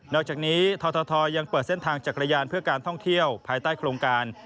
อกจากนี้ททยังเปิดเส้นทางจักรยานเพื่อการท่องเที่ยวภายใต้โครงการ